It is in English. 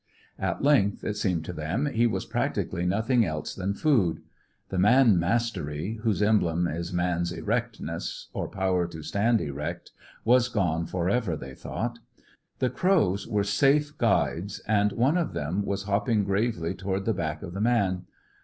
At length, it seemed to them, he was practically nothing else than food; the man mastery, whose emblem is man's erectness, or power to stand erect, was gone for ever, they thought. The crows were safe guides, and one of them was hopping gravely towards the back of the man.